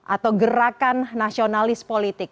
atau gerakan nasionalis politik